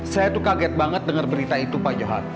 saya tuh kaget banget dengar berita itu pak johan